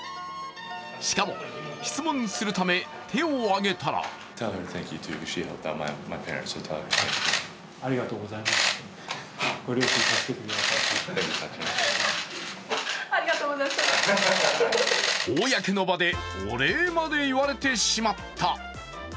しかも質問するため、手を挙げたら公の場でお礼まで言われてしまった。